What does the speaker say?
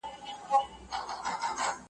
نن په څشي تودوې ساړه رګونه .